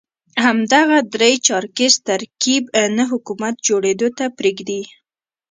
همدغه درې چارکیز ترکیب نه حکومت جوړېدو ته پرېږدي.